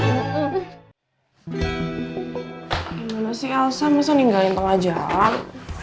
gimana sih elsa masa ninggalin tengah jam